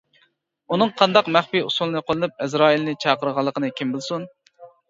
ئۇنىڭ قانداق مەخپىي ئۇسۇلنى قوللىنىپ ئەزرائىلنى چاقىرغانلىقىنى كىم بىلسۇن!